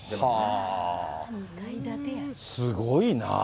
すごいな。